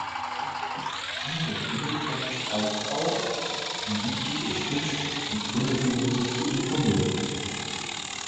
Dieser Tunnelbrand zeigt auch, wie wichtig es ist, die Tunnelbenutzer zu informieren.